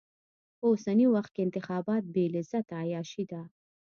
په اوسني وخت کې انتخابات بې لذته عياشي ده.